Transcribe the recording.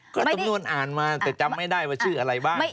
ก็สำนวนอ่านมาแต่จำไม่ได้ว่าชื่ออะไรบ้าง